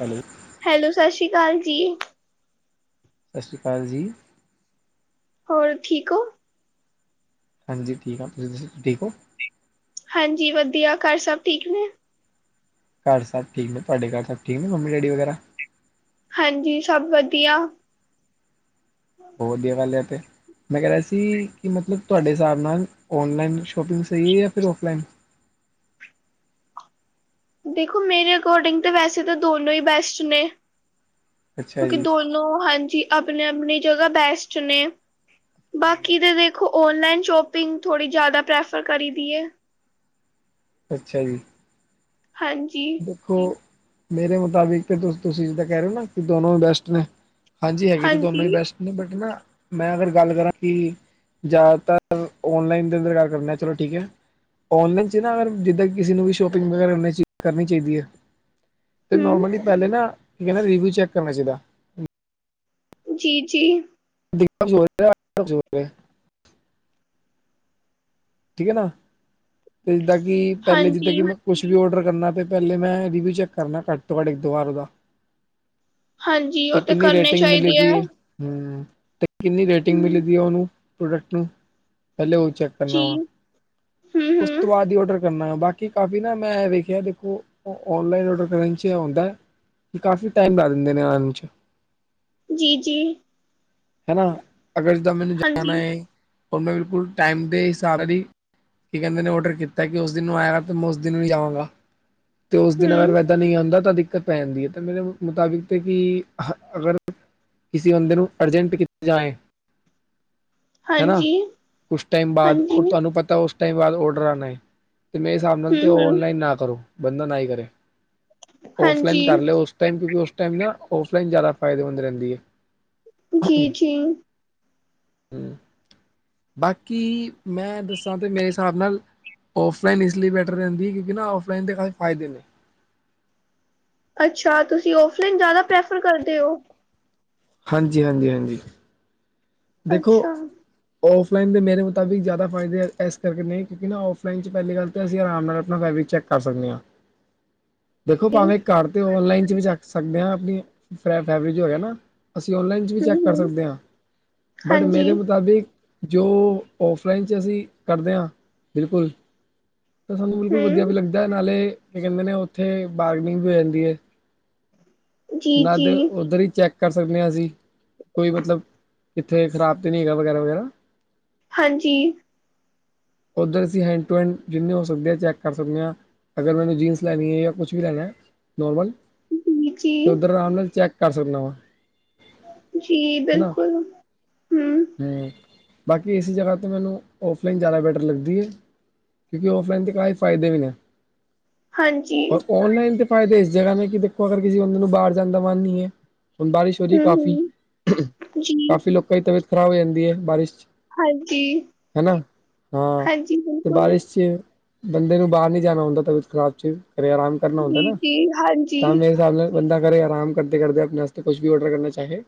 Hello. Hello ਸਤਿ ਸ਼੍ਰੀ ਅਕਾਲ ਜੀ। ਸਤਿ ਸ਼੍ਰੀ ਅਕਾਲ ਜੀ। ਹੋਰ ਠੀਕ ਹੋ। ਹਾਂਜੀ ਠੀਕ ਆ ਤੁਸੀਂ ਠੀਕ ਹੋ। ਹਾਂਜੀ ਵਧੀਆਂ ਘਰ ਸਭ ਠੀਕ ਨੇ। ਘਰ ਸਭ ਠੀਕ ਨੇ ਤੁਹਾਡੇ ਘਰ ਸਭ ਠੀਕ ਨੇ ਮੰਮੀ ਡੈਡੀ ਵਗੈਰਾ। ਹਾਂਜੀ ਸਭ ਵਧੀਆ। ਬਹੁਤ ਵਧੀਆ ਗੱਲ ਏ ਤੇ ਮੈਂ ਕਹਿ ਰਿਹਾ ਸੀ ਕਿ ਮਤਲਬ ਤੁਹਾਡੇ ਹਿਸਾਬ ਨਾਲ। ਔਨਲਾਈਨ ਸ਼ੋਪਿੰਗ ਸਈ ਏ ਯਾਂ ਫਿਰ ਔਫਲਾਈਨ। ਦੇਖੋ ਮੇਰੇ ਅਕੋਰਡਿੰਗ ਤੇ ਵੈਸੇ ਤੇ ਦੋਨੋ ਈ ਬੈਸਟ ਨੇ ਅੱਛਾ ਕਿਉਂਕਿ ਜੀ ਦੋਨੋ। ਹਾਂਜੀ ਆਪਣੀ-ਆਪਣੀ ਜਗ੍ਹਾ ਬੈਸਟ ਨੇ ਬਾਕੀ ਤੇ ਦੇਖ। ਔਨਲਾਈਨ ਸ਼ੋਪਿੰਗ ਥੋੜ੍ਹੀ ਜ਼ਿਆਦਾ ਪ੍ਰੈਫਰ ਕਰੀ ਦੀ ਏ। ਅੱਛਾ ਜੀ। ਹਾਂਜੀ। ਦੇਖੋ ਮੇਰੇ ਮੁਤਾਬਿਕ ਤੇ ਤੁਸੀਂ ਜਿਦਾ ਕਹਿ ਰਹੇ ਹੋ ਨਾ ਕਿ ਦੋਨੋ ਬੈਸਟ ਨੇ। ਹਾਂਜੀ ਹੈਗੀ ਤਾਂ ਦੋਨੋਂ ਹੀ ਹਾਂਜੀ ਬੈਸਟ ਨੇ ਬਟ ਨਾ ਮੈਂ ਅਗਰ ਗੱਲ ਕਰਾਂ ਕਿ। ਜ਼ਿਆਦਾਤਰ ਔਨਲਾਈਨ ਦੇ ਅੰਦਰ ਗੱਲ ਕਰਨੇ ਆ ਚਲੋ ਠੀਕ ਏ। ਔਨਲਾਈਨ 'ਚ ਨਾ ਜਿੱਦਾਂ ਕਿਸੇ ਨੂੰ ਵੀ ਸ਼ੋਪਿੰਗ ਵਗੈਰਾ। ਕਰਨੀ ਚਾਇਦੀ ਏ ਤੇ ਹਮ ਨਾਰਮਲੀ ਪਹਿਲੇ ਨਾ ਰਿਵਿਊ ਚੈੱਕ ਕਰਨਾ ਚਾਈਦਾ। ਜੀ-ਜੀ। [unintelligible] ਠੀਕ ਏ ਨਾ ਤੇ ਜਿੱਦਾਂ ਕਿ ਪਹਿਲੇ ਜਿੱਦਾਂ ਹਾਂਜੀ ਕਿ। ਕੁਛ ਵੀ ਔਡਰ ਕਰਨਾ ਤੇ ਪਹਿਲੇ ਮੈਂ ਰਿਵਿਊ ਚੈੱਕ ਕਰਨਾ ਘੱਟ ਤੋਂ ਘੱਟ ਇੱਕ ਦੋ ਵਾਰ ਉਹਦਾ। ਹਾਂਜੀ ਤੇ ਉਹ ਕਿੰਨੀ ਕਰਨੇ ਰੇਟਿੰਗ ਮਿਲੀ ਚਾਹੀਦੇ ਆ ਗੀ। ਹਮ ਤੇ ਕਿੰਨੀ ਰੇਟਿੰਗ ਹਮ ਮਿਲੀਦੀ ਆ ਉਹਨੂੰ ਪ੍ਰੋਡਕਟ ਪਹਿਲੇ ਉਹ ਨੂੰ ਚੈੱਕ ਕਰਨਾ ਜੀ ਵਾ। ਹਮ ੳਸ ਤੋ ਹਮ ਬਾਦ ਈ ਔਡਰ। ਬਾਕੀ ਕਾਫੀ ਨਾ ਮੈਂ ਵੇਖਿਆ ਦੇਖੋ ਔਨਲਾਈਨ ਔਡਰ ਕਰਨ ਚ ਏ ਆਉਂਦਾ। ਤੇ ਕਾਫੀ ਟਾਈਮ ਲਾ ਦਿੰਦੇ ਨੇ ਆਣ ਚ। ਜੀ-ਜੀ। ਹਨਾ ਅਗਰ ਜਿੱਦਾਂ ਮੈਨੂੰ ਹਾਂਜੀ ਜਾਣਾ ਏ ੳ ਬਿਲਕੁਲ ਟਾਈਮ ਦੇ ਸਾਬ ਦੀ। ਕੀ ਕਹਿੰਦੇ ਨੇ ਔਡਰ ਕੀਤਾ ਕਿ ਉਸ ਦਿਨ ਨੂੰ ਆਏਗਾ ਤੇ ਮੈਂ ਉਸ ਦਿਨ ਵੀ ਆਵਾਂਗਾ। ਤੇ ਉਸ ਦਿਨ ਅਗਰ ਹਮ ਵੈਦਾ ਨਹੀਂ ਆਉਂਦਾ ਤਾਂ ਦਿੱਕਤ। ਪੈਨਦੀ ਏ ਤਾਂ ਮੇਰੇ ਮੁਤਾਬਿਕ ਤੇ ਕਿ ਅਹ ਅਗਰ ਕਿਸੇ ਬੰਦੇ ਨੂੰ। ਅਰਜੈਂਟ ਕਿੱਥੇ ਜਾਏ। ਹੈਨਾ ਹਾਂਜੀ ੳਸ ਟਾਈਮ ਬਾਅਦ ਹਾਂਜੀ ਔਰ ਤੁਹਾਨੂੰ ਪਤਾ ਉਸ ਟਾਈਮ ਬਾਅਦ ਔਡਰ ਆਣੇ ਤੇ। ਸਾਬ ਨਾਲ ਤੇ ਹੂੰ-ਹੂੰ, ਔਨਲਾਈਨ ਨਾ ਕਰੋ ਬੰਦਾ ਨਾ ਈ ਕਰੇ ਹਾਂਜੀ, ਔਫਲਾਈਨ ਕਰ ਲਿਅੋ। ਉਸ ਟਾਈਮ ਨਾ ਔਫਲਾਈਨ ਜ਼ਿਆਦਾ ਫਾਇਦੇਮੰਦ ਰਹਿੰਦੀ ਏ। ਜੀ-ਜੀ। ਹੈ। ਬਾਕੀ ਮੈਂ ਦੱਸਾਂ ਤੇ ਮੇਰੇ ਸਾਬ ਨਾਲ। ਔਫਲਾਈਨ ਇਸ ਲਈ ਬੈਟਰ ਰਇੰਦੀ ਕਿਉਂਕਿ ਨਾ ਆਫਲਾਈਨ ਦੇ ਫਾਇਦੇ ਨੇ। ਅੱਛਾ ਤੁਸੀਂ ਔਫਲਾਈਨ ਜ਼ਿਆਦਾ ਪ੍ਰੈਫਰ ਕਰਦੇ ਔ। ਹਾਂਜੀ-ਹਾਂਜੀ-ਹਾਂਜੀ ਦੇਖੋ। ਅੱਛਾ, ਔਫਲਾਈਨ ਦੇ ਮੇਰੇ ਮੁਤਾਬਿਕ ਜ਼ਿਆਦਾ ਫਾਇਦੇ ਇਸ ਕਰਕੇ ਨੇ ਕਿਉਂਕਿ ਨਾ ਔਫਲਾਈਨ ਚ ਪਹਿਲੀ ਗੱਲ ਤਾਂ ਅਸੀਂ ਆਰਾਮ ਨਾਲ ਫੈਬਰਿਕ ਚੌਕ। ਕਰ ਸਗਨੇ ਆਂ। [inaudible] ਦੇਖੋ ਭਾਵੇਂ ਘਰ 'ਤੇ ਅੋਨਲਾਈਨ 'ਚ ਵੀ ਚੱਖ ਸਕਦੇ ਆ ਅਪਨੀ, ਫੈਵ -ਫੈਵਰਿਜ ਹੋਵੇ ਨਾ। ਅਸੀਂ ਔਨਲਾਈਨ 'ਚ ਵੀ ਚੈੱਕ ਕਰ ਹੂੰ-ਹੂੰ, ਸਕਦੇ ਆਂ, ਬਟ ਹਾਂਜੀ, ਮੇਰੇ ਮੁਤਾਬਿਕ ਜੋ ਔਫਲਾਈਨ 'ਚ ਅਸੀਂ ਕਰਦੇ ਆ, ਬਿਲਕੁਲ। ਤਾਂ ਸਾਨੂੰ ਬਿਲਕੁਲ ਵਦੀਆ ਹੂੰ, ਵੀ ਲੱਗਦੈ ਨਾਲੇ, ਕੀ ਕੈਂਦੇ ਨੇ ਓੱਥੇ, ਬਾਰਗਨਿੰਗ ਵੀ ਹੁੰਦੀ ਏ। ਨਾਲੇ ਜੀ-ਜੀ। ਓਧੱਰ ਈ ਚੈੱਕ ਕਰ ਸਕਨੇ ਆਂ ਅਸੀਂ, ਕੋਈ ਮਤਲਬ, ਇੱਥੇ ਖ਼ਰਾਬ ਤਾਂ ਨੀਂ ਹੈਗਾ ਵਗੈਰਾ- ਵਗੈਰਾ। ਹਾਂਜੀ। ਉੱਧਰ ਅਸੀਂ ਹੈਂਡ ਟੂ ਹੈਂਡ, ਜਿੰਨੇ ਹੋ ਸਕਦੇ ਆ ਚੈੱਕ ਕਰ ਸਕਦੇ ਆ। ਅਗਰ ਮੈਨੂੰ ਜੀਨਸ ਲੈਨੀ ਏ ਯਾ ਕੁਛ ਵੀ ਲੈਨਾ, ਨੋਰਮਲ ਜੀ-ਜੀ, 'ਤੇ ਉੱਧਰ ਜੀ ਰਾਮ ਨਾਲ ਚੈੱਕ ਕਰ ਸਕਨਾ ਵਾ। ਜੀ ਬਿਲਕੁਲ, ਹੂੰ। ਹਾਏ, ਬਾਕੀ ਇਸ ਜਗ੍ਹਾ ਤੇ ਮੈਨੂੰ, ਔਫਲਾਈਨ ਜਾਨਾ ਪ ਲੱਗਦੀ ਏ, ਕਿਉਂਕਿ ਔਫਲਾਈਨ ਤੇ ਕਾ ਫਾਇਦੇ ਵੀ ਨੇ। ਹਾਂਜੀ, ਔਫ- ਔਨਲਾਈਨ ਦੇ ਫਾਇਦੇ ਇਸ ਜਗ੍ਹਾ ਨੇ ਕਿ ਦੇਖੋ, ਅਗਰ ਕਿਸੇ ਬੰਦੇ ਨੂੰ ਬਾਰ ਜਾਨ ਦਾ ਮਨ ਨੀਂ ਏ। ਹੁਨ ਬਾਰਿਸ਼ ਹੋ ਰੀ ਏ ਕਾਫ਼ੀ, ਹੂੰ-ਹੂੰ, ਜੀ, ਕਾਫ਼ੀ ਲੋਕਾਂ ਦੀ ਤਬੀਅਤ ਖ਼ਰਾਬ ਹੋ ਜਾਂਦੀ ਏ, ਬਾਰਿਸ਼ 'ਚ। ਹਾਂਜੀ। ਹਨਾ ਹਾਂ, ਹਾਂਜੀ, 'ਤੇ ਬਿਲਕੁਲ, ਬਾਰਿਸ਼ 'ਚ, ਬੰਦੇ ਨੂੰ ਬਾਰ ਨੀਂ ਜਾਨਾ ਹੁੰਦਾ ਤਬੀਅਤ ਖ਼ਰਾਬ 'ਚ। ਕਰੇ ਆਰਾਮ ਕਰਨਾ ਹੁੰਦੈ ਨਾ, ਜੀ-ਜੀ, ਹਾਂਜੀ, ਤਾਂ ਮੇਰੇ ਹਿਸਾਬ ਨਾਲ ਏਦਾ ਕਰੇ ਆਰਾਮ ਕਰਦੇ -ਕਰਦੇ ਅਪਨੇ ਅਸਤੇ ਕੁਛ ਵੀ ਅੋਰਡਰ ਕਰਨਾ ਚਾਹੇ।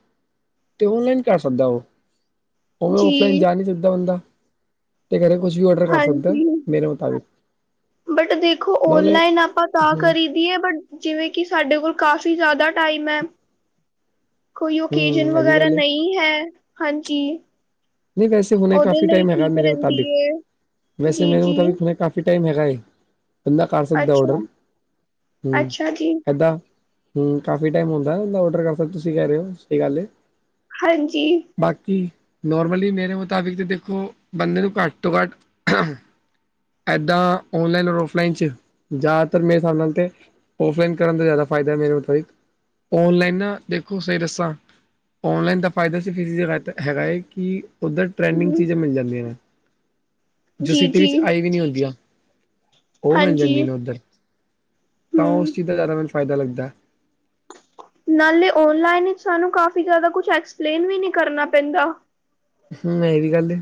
'ਤੇ ਓਨਲਾਈਨ ਕਰ ਸਕਦਾ ਓ, ਓਵੇਂ ਔਫਲਾਈਨ ਜੀ, ਜਾ ਨੀਂ ਸਕਦਾ ਬੰਦਾ। ਤੇ ਕਰੇ ਕੁਛ ਵੀ ਔਰਡਰ ਕਰ ਸਕਦਾ, ਮੇਰੇ ਮੁਤਾਬਿਕ ਬੇਟਾ ਦੇਖੋ, ਨਾਲੇ ਓਨਲਾਈਨ ਆਪਾਂ ਤਾਂ ਹੂੰ ਕਰੀ ਕੀ ਏ ਬਟ, ਜਿਵੇਂ ਕਿ ਸਾਡੇ ਕੋਲ ਕਾਫੀ ਜ਼ਾਦਾ ਟਾਈਮ ਐ। ਕੋਈ ਓਕੇਜਨ ਹੂੰ ਐ ਵੀ ਵਗੈਰਾ ਗੱਲ ਏ ਨਈ ਹੈ, ਹਾਂਜੀ। ਨੀਂ ਵੈਸੇ ਹੁੰਨੇ ਉਹਦੇ ਕਾਫ਼ੀ ਲਈ ਟਾਈਮ ਹੈਗਾ ਠੀਕ ਮੇਰੇ ਰਹਿੰਦੀ ਮੁਤਾਬਿਕ, ਏ ਵੈਸੇ ਜੀ ਮੇਰੇ ਜੀ ਮੁਤਾਬਿਕ ਹੁੰਨੇ ਕ ਕਾਫੀ ਟਾਈਮ ਹੈਗਾ ਏ, ਬੰਦਾ ਕਰ ਸਕਦਾ ਔਡਰ ਅੱਛਾ ਹੂੰ। ਅੱਛਾ ਜੀ ਏਦਾਂ ਹੂੰ, ਕਾਫੀ ਟੈਮ ਹੁੰਦੈ, ਓਦਾ ਔਡਰ ਕਰ ਸਕ ਤੁਸੀਂ ਕੈਅ ਰੇ ਓ, ਸਹੀ ਗੱਲ ਏ। ਹਾਂਜੀ। ਬਾਕੀ, ਨੋਰਮਲੀ ਮੇਰੇ ਮੁਤਾਬਿਕ 'ਤੇ ਦੇਖੋ, ਬੰਦੇ ਨੂੰ ਘੱਟ ਤੋਂ ਘੱਟ ਏਦਾਂ ਔਨਲਾਈਨ ਔਰ ਔਫਲਾਈਨ 'ਚ, ਜ਼ਾਦਾਤਰ ਮੇਰੇ ਸਾਬ ਨਾਲ 'ਤੇ ਔਫਲਾਈਨ ਕਰਨ ਦਾ ਜਾਦਾ ਫਾਇਦਾ ਮੇਰੇ ਮੁਤਾਬਿਕ, ਔਨਲਾਈਨ ਨਾ, ਦੇਖੋ ਸਈ ਦੱਸਾਂ। ਔਨਲਾਈਨ ਦਾ ਫਾਇਦਾ ਸਿਰਫ ਕਿਸੀ ਜਗ੍ਹਾ 'ਤੇ ਹੈਗਾ ਏ। ਕਿ ਉੱਧਰ ਟਰੈਂਡਿੰਗ ਹਮ, ਚੀਜ਼ਾਂ ਮਿਲ ਜਾਂਦੀਆਂ ਨੇ। ਜੋ ਜੀ ਸਿਟੀ ਜੀ ਵਿੱਚ ਆਈ ਵੀ ਨੀਂ ਹੁੰਦੀਆਂ। ਓ ਮਿਲ ਜਾਂਦੀ ਹਾਂਜੀ ਨੇ ਉੱਧਰ, ਤਾਂ ਉਸ ਹੂੰ ਚੀਜ਼ ਦਾ ਜ਼ਾਦਾ ਮੈਨੂੰ ਫਾਇਦਾ ਲੱਗਦੈ। ਨਾਲੇ ਓਨਲਾਈਨ ਵਿਚ ਸਾਨੂੰ ਕਾਫੀ ਜ਼ਾਦਾ ਕੁਛ ਐਕਸਪਲੇਨ ਵੀ ਨੀ ਕਰਨਾ ਪੈਂਦਾ। ਹੂੰ, ਏ ਵੀ ਗੱਲ ਏ,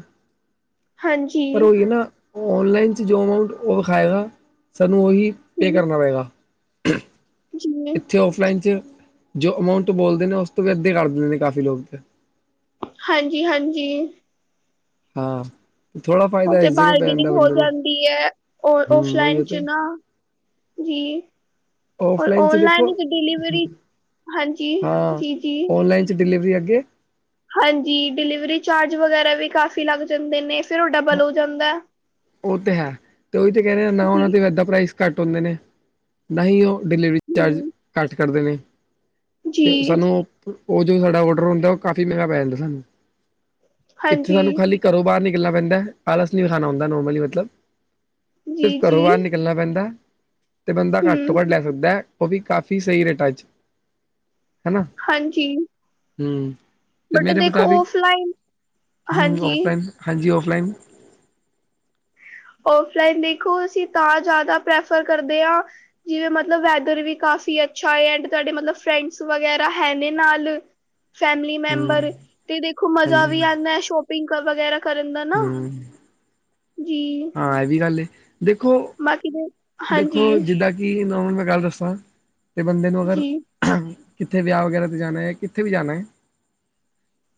ਹਾਂਜੀ ਪਰ ਓਈ ਨਾ। ਔਨਲਾਈਨ 'ਚ ਜੋ ਅਮਾਊਂਟ ਉਹ ਵਖਾਏਗਾ, ਸਾਨੂੰ ਔਹੀ, ਪੇ ਹਮ, ਕਰਨਾ ਪਏਗਾ। ਜੀ ਇੱਥੇ ਔਫਲਾਈਨ 'ਚ, ਜੋ ਅਮਾਊਂਟ ਬੋਲਦੇ ਨੇ ਉਸ ਤੋਂ ਵੀ ਅੱਧੇ ਕਰ ਦਿੰਦੇ ਨੇ ਕਾਫੀ ਲੋਕ 'ਤੇ। ਹਾਂਜੀ- ਹਾਂਜੀ। ਹਾਂ। ਥੋੜਾ ਫਾਇਦਾ ਓੱਥੇ ਇਸ ਜਗ੍ਹਾ ਪੈ ਬਾਰਗਨਿੰਗ ਜਾਂਦਾ ਹੋ ਬੰਦੇ ਨੂੰ ਜਾਂਦੀ ਐ, ਓ ਹੂੰ ਉਹੀ ਓਫਲਾਈਨ 'ਚ ਤੇ ਨਾ। ਜੀ ਏ। ਪਰ ਔਫਲਾਈਨ ਚ ਦੇਖੋ ਓਨਲਾਈਨ ਦੀ ਡਿਲੀਵਰੀ ਹਾਂਜੀ ਜੀ ਜੀ ਤੇ ਡਿਲੀਵਰੀ ਅੱਗੇ ਹਾਂਜੀ ਡਿਲੀਵਰੀ ਚਾਰਜ ਵਗੈਰਾ ਵੀ ਕਾਫ਼ੀ ਲੱਗ ਜਾਂਦੇ ਨੇ, ਫਿਰ ਓ ਡਬਲ ਹੋ ਜਾਂਦਾ। ਉਹ ਤੇ ਹੈ, ਤੇ ਉਹੀ ਤੇ ਕਹਿ ਦੇ ਨਾ ਉਹਨਾਂ ਜੀ ਦੇ ਇੱਦਾਂ ਪ੍ਰਾਈਸ ਘੱਟ ਹੁੰਦੇ ਨੇ। ਨਾ ਹੀ ਓ ਡਿਲੀਵਰੀ ਚਾਰਜ, ਹੂੰ ਘੱਟ ਕਰਦੇ ਨੇ ਜੀ ਤੇ ਸਾਨੂੰ ਓ ਓ ਜੋ ਸਾਡਾ ਔਡਰ ਹੁੰਦਾ ਉ ਕਾਫ਼ੀ ਮਹਿੰਗਾ ਪੈ ਜਾਂਦਾ ਸਾਨੂੰ, ਇੱਥੇ ਹਾਂਜੀ ਸਾਨੂੰ ਖਾਲੀ ਘਰੋਂ ਬਾਹਰ ਨਿਕਲਣਾ ਪੈਂਦਾ, ਆਲਸ ਨੀ ਵੀਖਾਣਾ ਹੁੰਦਾ ਨੋਰਮਲੀ ਮਤਲਬ। ਸਿਰਫ਼ ਜੀ ਜੀ ਘਰੋਂ ਬਾਹਰ ਨਿਕਲਣਾ ਪੈਂਦਾ, ਤੇ ਬੰਦਾ ਘੱਟ ਤੋਂ ਹੂੰ ਘੱਟ ਲੈ ਸਕਦਾ ਹੈ। ਉਹ ਵੀ ਕਾਫੀ ਸਹੀ ਰੇਟਾਂ ਵਿੱਚ। ਹੈਨਾ ਹਾਂਜੀ ਹੂੰ, ਤੇ ਬਟ ਮੇਰੇ ਦੇਖੋ ਮੁਤਾਬਿਕ। ਔਫਲਾਈਨ ਹੂੰ ਹਾਂਜੀ ਔਫਲਾਈਨ ਹਾਂਜੀ ਔਫਲਾਈਨ। ਔਫਲਾਈਨ ਦੇਖੋ ਅਸੀਂ ਤਾਂ ਜ਼ਿਆਦਾ ਪ੍ਰੈਫਰ ਕਰਦੇ ਹਾਂ। ਜਿਵੇਂ ਮਤਲਬ ਵੈਦਰ ਵੀ ਕਾਫੀ ਅੱਛਾ ਹੈ, ਐਂਡ ਤੁਹਾਡੇ ਮਤਲਬ ਫਰੈਂਡਸ ਵਗੈਰਾ ਹੈ ਨ ਨਾਲ। ਫੈਮਲੀ ਹੂੰ, ਮੈਂਬਰ, ਤੇ ਦੇਖੋ ਮਜ਼ਾ ਵੀ ਹਾਂਜੀ-ਹਾਂਜੀ, ਆਉਂਦਾ ਸ਼ੋਪਿੰਗ ਵਗੈਰਾ ਕਰਨ ਦਾ ਨਾ। ਹੂੰ, ਜੀ। ਹਾਂ ਇਹ ਵੀ ਗੱਲ ਏ, ਦੇਖੋ। ਬਾਕੀ ਦੇ। ਦੇਖੋ ਹਾਂਜੀ ਜਿੱਦਾਂ ਕਿ ਨੌਰਮਲ ਮੈਂ ਗੱਲ ਦੱਸਾਂ, ਤੇ ਬੰਦੇ ਨੂੰ ਅਗਰ। ਜੀ ਕਿੱਥੇ ਵਿਆਹ ਵਗੈਰਾ ਤੇ ਜਾਣਾ ਹੈ, ਕਿੱਥੇ ਵੀ ਜਾਣਾ ਹੈ।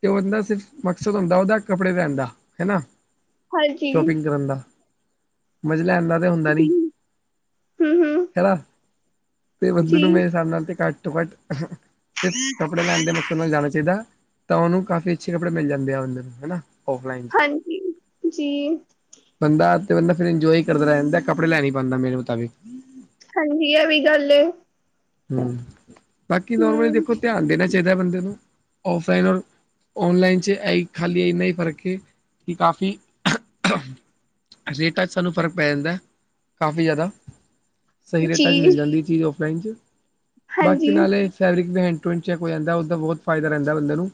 ਤੇ ਉਹ ਬੰਦਾ ਸਿਰਫ ਮਕਸਦ ਹੁੰਦਾ, ਉਹਦਾ ਕੱਪੜੇ ਲੈਣ ਦਾ ਹੈਨਾ। ਹਾਂਜੀ ਸ਼ੋਪਿੰਗ ਕਰਨ ਦਾ, ਮਜੇ ਲੈਣ ਦਾ ਤੇ ਹੁੰਦਾ ਨੀ। ਹੂ ਹੂ ਹੈਨਾ, ਤੇ ਬੰਦੇ ਨੂੰ ਮੇਰੇ ਹਿਸਾਬ ਨਾਲ ਤੇ ਘੱਟ ਤੋਂ ਘੱਟ। ਸਿਰਫ ਕੱਪੜੇ ਲੈਣ ਦੇ ਮਕਸਦ ਨਾਲ ਜਾਣਾ ਚਾਹੀਦਾ, ਤਾਂ ਉਹਨੂੰ ਕਾਫ਼ੀ ਅੱਛੇ ਕੱਪੜੇ ਮਿਲ ਜਾਂਦੇ ਆ ਅੰਦਰ ਨੂੰ ਹਨਾ। ਔਫਲਾਈਨ ਚ। ਹਾਂਜੀ ਜੀ। ਬੰਦਾ ਤੇ ਬੰਦਾ ਫਿਰ ਇੰਜੋਏ ਕਰਦਾ ਰਹਿ ਜਾਂਦਾ, ਕੱਪੜੇ ਲੈ ਨਹੀਂ ਪਾਉਂਦਾ ਮੇਰੇ ਮੁਤਾਬਿਕ। ਹਾਂਜੀ ਇਹ ਵੀ ਗੱਲ ਐ ਹੂ ਬਾਕੀ ਨੋਰਮਲੀ ਹੂੰ, ਦੇਖੋ ਧਿਆਨ ਦੇਣਾ ਚਾਹੀਦਾ ਬੰਦੇ ਨੂੰ, ਔਫਲਾਈਨ ਔਰ। ਔਨਲਾਈਨ ਚ ਇਹ ਖਾਲੀ ਇੰਨਾ ਹੀ ਫ਼ਰਕ ਹੈ, ਕਿ ਕਾਫ਼ੀ। ਰੇਟਾਂ 'ਚ ਸਾਨੂੰ ਫ਼ਰਕ ਪੈ ਜਾਂਦਾ, ਕਾਫੀ ਜ਼ਿਆਦਾ। ਸਹੀ ਰੇਟਾਂ ਵਿੱਚ ਮਿਲ ਜੀ, ਜਾਂਦੀ ਚੀਜ਼ ਔਫਲਾਈਨ 'ਚ। ਬਾਕੀ ਹਾਂਜੀ, ਨਾਲੇ ਫੈਬਰਿਕ ਵੀਂਡ ਟੂ ਚੈੱਕ ਹੋ ਜਾਂਦਾ, ਉਸਦਾ ਬਹੁਤ ਫ਼ਾਇਦਾ ਰਹਿੰਦਾ ਬੰਦੇ ਨੂੰ।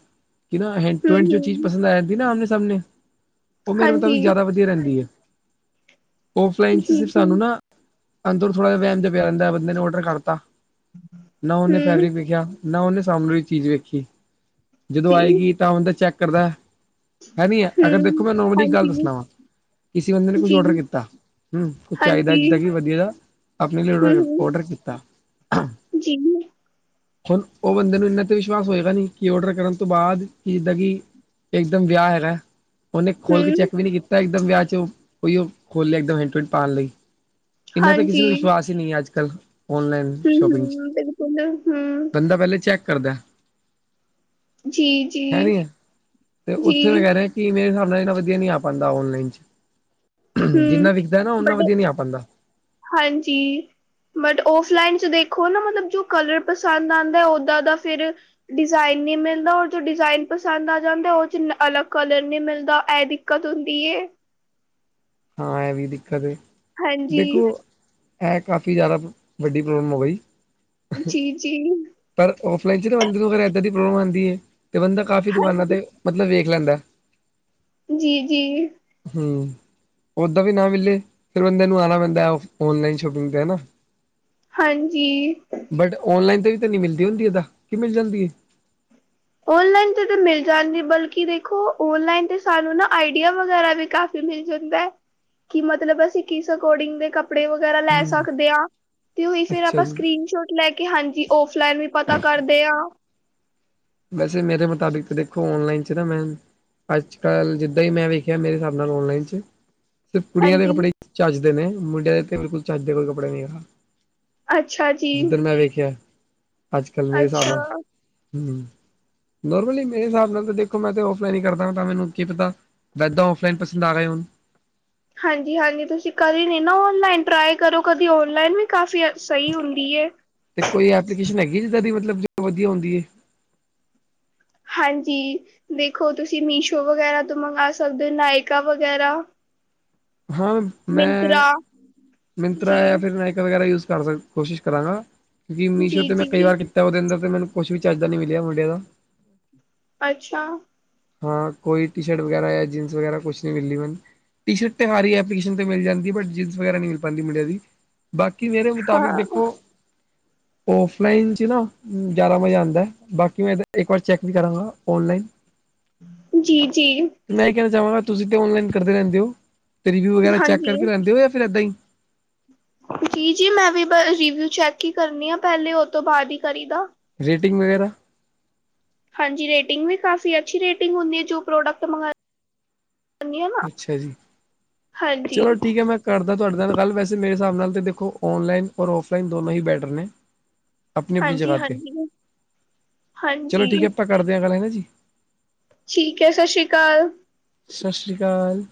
ਕਿਨਾ ਹੈਂਡ ਟੂ ਹੂੰ, ਹੈਂਡ ਜੋ ਚੀਜ਼ ਹੂੰ, ਪਸਦ ਆ ਜਾਂਦੀ ਨਾ ਆਮਣੇ ਸਮਣੇ। ਉਹ ਮੇਰੇ ਹਾਂਜੀ, ਮੁਤਾਬਿਕ ਜ਼ਿਆਦਾ ਵਧੀਆ ਰਹਿੰਦੀ ਹੈ। ਓਫਲਾਈਨ ਚ ਜੀ, ਸਿਰਫ ਸਾਨੂੰ ਜੀ, ਨਾ, ਅੰਦਰੋਂ ਥੋੜਾ ਜ ਵਹਿਮ ਜਿਹਾ ਪਿਆ ਰਹਦਾ ਬੰਦੇ ਨੇ ਔਡਰ ਵੀ ਕਰਤਾ। ਨਾ ਉਹਨੇ ਹੂੰ, ਫੈਬਰਿਕ ਵੇਖਿਆ, ਨਾ ਉਹਨੇ ਸਾਮਨੇ ਚੀਜ਼ ਵੇਖੀ। ਜਦੋਂ ਜੀ, ਆਏਗੀ ਤਾਂ ਬੰਦਾ ਚੈੱਕ ਕਰਦਾ ਹੈ ਨੀ ਹੈ ਅਗਰ ਦੇਖੋ ਹੂੰ, ਮੈਂ ਨੌਰਮਲੀ ਈ ਗੱਲ ਹਾਂਜੀ, ਦੱਸਣਾ ਵਾ। ਕਿਸੀ ਬੰਦੇ ਨੇ ਕੁਛ ਜੀ, ਔਡਰ ਕੀਤਾ। ਹੂੰ ਕੁਛ ਚਾਹੀਦਾ ਹਾਂਜੀ, ਜਿੱਦਾਂ ਕਿ ਵਧੀਆ ਦਾ, ਆਪਣੇ ਲਈ ਹੂੰ, ਹੂੰ, ਔਡਰ-ਔਡਰ ਕੀਤਾ। ਜੀ। ਹੁਣ ਉਹ ਬੰਦੇ ਨੂੰ ਇੰਨਾ ਤੇ ਵਿਸ਼ਵਾਸ ਹੋਏਗਾ ਨਹੀਂ, ਕਿ ਆਰਡਰ ਕਰਨ ਤੋਂ ਬਾਅਦ ਕਿ ਦਾਂ ਕਿ। ਇੱਕਦਮ ਵਿਆਹ ਹੈਗਾ ਐ ਉਹਨੇ ਖੋਲ ਕੇ ਹੂੰ, ਚੈਕ ਵੀ ਨਹੀਂ ਕੀਤਾ ਇੱਕਦਮ ਵਿਆਹ ਚ, ਔਹੀ ਖੋਲਿ ਲੇਯਾ ਇੱਕਦਮ ਪਾਉਣ ਲਈ। ਇਹਨਾਂ ਤੇ ਕਿਸੇ ਹਾਂਜੀ, ਨੂੰ ਵਿਸ਼ਵਾਸ ਹੀ ਨਹੀਂ ਹੈ ਅੱਜ ਕੱਲ੍ਹ ਔਨਲਾਈਨ। ਹੂੰ, ਸ਼ੋਪਿੰਗ ਚ ਹੂੰ, ਬਿਲਕੁਲ, ਹੂੰ, ਬੰਦਾ ਪਹਿਲੇ ਚੈਕ ਕਰਦਾ। ਜੀ, ਜੀ, ਹੈ ਨੀ ਹੈ ਤੇ ਜੀ, ਓਥੇ ਮੈਂ ਕੈ ਰਯਾ ਕਿ ਮੇਰੇ ਹਿਸਾਬ ਨਾਲ ਇੰਨਾ ਵਧੀਆ ਨੀ ਆ ਪਾਂਦਾ ਔਨਲਾਈਨ 'ਚ ਹੂੰ, ਜਿੰਨਾ ਵਿਕਦਾ ਨਾ ਓਨਾ ਬਟ ਵਦੀਆ ਨੀ ਆ ਪਾਂਦਾ। ਹਾਂਜੀ। ਬਟ ਔਫਲਾਈਨ 'ਚ ਦੇਖੋ ਨਾ ਮਤਲਬ ਜੋ ਕਲਰ ਪਸੰਦ ਆਂਦਾ ਓਦਾਂ ਦਾ ਫਿਰ ਡਿਜ਼ਾਇਨ ਨੀ ਮਿਲਦਾ ਔਰ ਜੋ ਡਿਜ਼ਾਇਨ ਪਸੰਦ ਆ ਜਾਂਦਾ ਓ 'ਚ ਅਲੱਗ ਕਲਰ ਨੀ ਮਿਲਦਾ ਐ ਦਿ ਕਤ ਹੁੰਦੀ ਏ। ਹਾਂ ਐ ਵੀ ਦਿੱਕਤ ਏ ਹਾਂਜੀ ਦੇਖੋ ਐ ਕਾਫੀ ਜਾਦਾ ਵੱਡੀ ਪ੍ਰੋਬਲਮ ਹੋ ਗੀ। ਜੀ-ਜੀ। ਪਰ ਆਫਲਾਈਨ 'ਚ ਨਾ ਬੰਦੇ ਨੂੰ ਫੇਰ ਏਦਾਂ ਦੀ ਪ੍ਰੋਬਲਮ ਆਂਦੀ ਏ ਤੇ ਬੰਦਾ ਕਾਫ਼ੀ ਦੁਕਾਨਾਂ ਹਾਂਜੀ ਤੇ ਮਤਲਬ ਵੇਖ ਲੈਂਦਾ। ਜੀ-ਜੀ। ਹੂੰ। ਓਦਾਂ ਵੀ ਨਾ ਮਿਲੇ ਫੇਰ ਬੰਦੇ ਨੂੰ ਆਣਾ ਪੈਂਦਾ ਔਨਲਾਈਨ ਸ਼ੋਪਿੰਗ ਤੇ ਹਨਾ। ਹਾਂਜੀ। ਬਟ ਔਨਲਾਈਨ ਤੇ ਵੀ ਤੇ ਨਈ ਮਿਲਦੀ ਹੁੰਦੀ ਏਦਾ ਕੀ ਮਿਲ ਜਾਂਦੀ ਏ। ਓਨਲਾਈਨ ਤੇ ਤੇ ਮਿਲ ਜਾਂਦੀ ਬਲਕਿ ਦੇਖੋ ਓਨਲਾਈਨ ਤੇ ਸਾਨੂੰ ਨਾ ਆਈਡੀਆ ਵਗੈਰਾ ਵੀ ਕਾਫ ਫ਼ੀ ਮਿਲ ਜਾਂਦਾ ਕਿ ਮਤਲਬ ਅਸੀਂ ਕਿਸ ਅਕੋਡਿੰਗ ਦੇ ਕੱਪ ਕੱਪੜੇ ਵਗੈਰਾ ਲੈ ਹਮ ਸਕਦੇ ਆ ਤੇ ਓਹੀ ਫੇਰ ਅੱਛਾ ਆਪਾਂ ਜੀ ਸਕਰੀਨ ਸ਼ੋਟ ਲੈ ਕੇ ਹਾਂਜੀ ਔਫਲਾਈਨ ਵੀ ਪਤਾ ਕਰਦੇ ਆ। ਵੈਸੇ ਮੇਰੇ ਮੁਤਾਬਿਕ ਤਾਂ ਦੇਖੋ ਔਨਲਾਈਨ 'ਚ ਨਾ ਮੈਂ ਅੱਜ-ਕੱਲ ਜਿੱਦਾਂ ਈ ਮੈਂ ਵੇਖਿਆ ਮੇਰੇ ਹਿਸਾਬ ਨਾਲ ਔਨਲਾਈਨ ਚ ਸਿਰਫ ਕੁੜੀਆਂ ਦੇ ਹਾਂਜੀ, ਕੱਪੜੇ ਈ ਚਜਦੇ ਨੇ, ਮੁੰਡਿਆਂ ਦੇ ਤੇ ਬਿਲਕੁਲ ਚਜਦੇ ਕੋਈ ਕੱਪੜੇ ਨਈ ਹੈਗਾ। ਅੱਛਾ ਜੀ, ਜਿੱਧਰ ਮੈਂ ਵੇਖਿਆ ਅੱਜ-ਕੱਲ ਮੇਰੇ ਹਿਸਾਬ ਅੱਛਾ। ਨਾਲ ਹੂੰ। ਨੋਰਮਲੀ ਮੇਰੇ ਹਿਸਾਬ ਨਾਲ ਤਾਂ ਦੇਖੋ ਮੈਂ ਤਾਂ ਔਫਲਾਈਨ ਈ ਕਰਦਾ ਹਾਂ ਤਾਂ ਮੈਨੂੰ ਕੀ ਪਤਾ ਵੈਦਾਂ ਔਫਲਾਈਨ ਪਸੰਦ ਆ ਗੇ ਹੋਨ। ਹਾਂਜੀ-ਹਾਂਜੀ ਤੁਸੀਂ ਕਦੀ ਨੀ ਨਾ ਔਨਲਾਈਨ ਟਰਾਈ ਕਰੋ ਕਦੀ ਔਨਲਾਈਨ ਵੀ ਕਾਫ਼ੀ ਸਈ ਹੁੰਦੀ ਏ। ਤੇ ਕੋਈ ਐਪਲੀਕੇਸ਼ਨ ਹੈਗੀ ਜਿੱਦਾਂ ਦੀ ਮਤਲਬ ਜੋ ਵਦੀਆ ਹੁੰਦੀ ਏ। ਹਾਂਜੀ। ਵੇਖੋ ਤੁਸੀਂ ਮੀਸ਼ੋ ਵਗੈਰਾ ਤੋਂ ਮੰਗਾ ਸਕਦੇ ਓ, ਨਾਇਕਾ ਵਗੈਰਾ ਹਾਂ ਮੈਂ ਮਿੰਤਰਾ ਮਿੰਤਰਾ ਯਾ ਜੀ। ਫੇਰ ਨਾਇਕਾ ਵਗੈਰਾ ਯੂਜ ਕਰ ਸਕ ਕੋਸ਼ਿਸ਼ ਕਰਾਂਗਾ ਕਿਉਂਕਿ ਮੀਸ਼ੋ 'ਤੇ ਮੈਂ ਜੀ-ਜੀ, ਕਈ ਵਾਰ ਕੀਤਾ ਓਦੇ ਅੰਦਰ ਤੇ ਮੈਨੂੰ ਕੁਛ ਵੀ ਚਜ ਦਾ ਨੀ ਮਿਲਿਆ ਮੁੰਡਿਆਂ ਦਾ। ਅੱਛਾ। ਹਾਂ ਕੋਈ ਟੀ ਸ਼ਰਟ ਵਗੈਰਾ ਯਾ ਜੀਨਸ ਵਗੈਰਾ ਕੁਛ ਨੀ ਮਿਲੀ ਮੈਨੂੰ। ਟੀ ਸ਼ਰਟ ਤੇ ਹਰ ਈ ਅੱਪਲੀਕੇਸ਼ਨ ਤੇ ਮਿਲ ਜਾਂਦੀ ਹੈ, ਬਟ ਜੀਨਸ ਵਗੈਰਾ ਨੀ ਮਿਲ ਪਾਦੀਂ ਮੁਡੀਆਂ ਦੀ। ਬਾਕੀ ਮੇਰੇ ਮੁਤਾਬਿਕ ਹਾਂ, ਦੇਖੋ ਔਫਲਾਈਨ 'ਚ ਨਾ ਜਾਦਾ ਮਜ਼ਾ ਆਂਦੈ, ਬਾਕੀ ਮੈਂ ਤਾਂ ਇੱਕ ਵਾਰ ਚੈੱਕ ਵੀ ਕਰਾਂਗਾ ਔਨਲਾਈਨ। ਜੀ-ਜੀ। ਤੇ ਮੈਂ ਐ ਕੈਨਾ ਚਾਵਾਂਗਾ ਤੁਸੀਂ ਤੇ ਔਨਲਾਈਨ ਕਰਦੇ ਰੈਂਦੇ ਓ ਤੇ ਰਿਵਿਊ ਵਗੈਰਾ ਚੈੱਕ ਕਰਕੇ ਲੈਂਦੇ ਓ ਯਾ ਫਿਰ ਏਦਾਂ ਈ। ਜੀ, ਜੀ ਮੈਂ ਵੀ ਰਿੀਵਿਊ ਚੈੱਕ ਹੀ ਕਰਨੀ ਆ ਪੈਲੇ ਓ ਤੋਂ ਬਾਦ ਈ ਕਰੀਦਾ। ਰੇਟਿੰਗ ਵਗੈਰਾ ਹਾਂਜੀ ਰੇਟਿੰਗ ਵੀ ਕਾਫੀ ਅੱਛੀ ਰੇਟਿੰਗ ਹੁੰਦੀ ਏ ਜੋ ਪ੍ਰੋਡਕਟ ਮੰਗ ਅੱਛਾ ਜੀ, ਹਾਂਜੀ, ਚਲੋ ਠੀਕ ਐ ਮੈਂ ਕਰਦਾ ਤੁਆਡੇ ਨਾਲ ਗੱਲ ਵੈਸੇ ਮੇਰੇ ਹਿਸਾਬ ਨਾਲ ਤਾਂ ਦੇਖੋ ਔਨਲਾਈਨ ਔਰ ਔਫਲਾਈਨ ਦੋਨੋਂ ਹੀ ਬੈਟਰ ਨੇ। ਅਪਨੀ-ਅਪਨੀ ਜਗ੍ਹਾ ਤੇ, ਹਾਂਜੀ-ਹਾਂਜੀ। ਚਲੋ ਠੀਕ ਹਾਂਜੀ ਐ ਆਪਾਂ ਕਰਦੇ ਆਂ ਗੱਲ ਹੈਨਾ ਜੀ। ਠੀਕ ਐ, ਸਸ ਸ਼੍ਰੀ ਕਾਲ। ਸਸ ਸ਼੍ਰੀ ਕਾਲ।